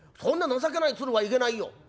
そんな情けない鶴はいけないよ。